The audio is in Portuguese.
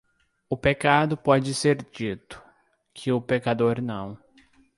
O pecado pode ser dito, que o pecador não.